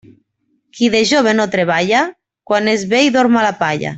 Qui de jove no treballa, quan és vell dorm a la palla.